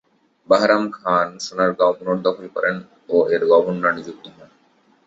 বাহরাম খান সোনারগাঁও পুনর্দখল করেন ও এর গভর্নর নিযুক্ত হন।